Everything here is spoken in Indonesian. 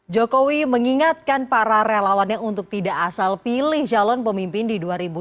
jokowi mengingatkan para relawannya untuk tidak asal pilih calon pemimpin di dua ribu dua puluh